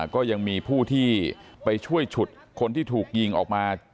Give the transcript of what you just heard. ก็ยังมีผู้ที่ไปช่วยฉุดคนที่ถูกยิงออกมา